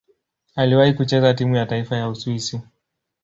Aliwahi kucheza timu ya taifa ya Uswisi.